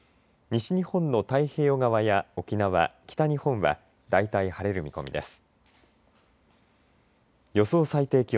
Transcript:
西日本の太平洋側や沖縄、北日本は大体、晴れる見込みです。